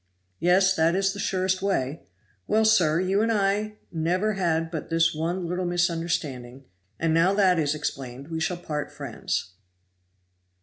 "Yes, that is the surest way. Well, sir, you and I never had but this one little misunderstanding, and now that is explained, we shall part friends."